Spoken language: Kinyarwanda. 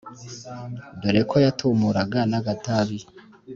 dore ko yatumuraga n'agatabi,